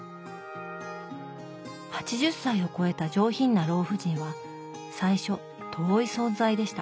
８０歳を超えた上品な老婦人は最初遠い存在でした。